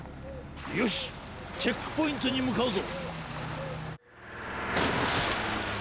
よしチェックポイントにむかうぞ！